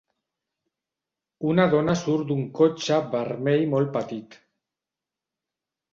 Una dona surt d'un cotxe vermell molt petit.